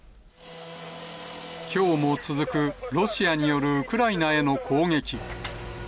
きょうも続くロシアによるウクライナへの攻撃。